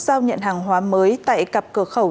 giao nhận hàng hóa mới tại cặp cửa khẩu